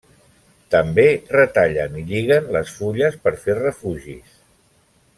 També retallen i lliguen les fulles per fer refugis.